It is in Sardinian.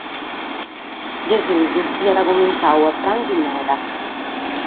Gesùs aiat cumentzadu a prànghere meda.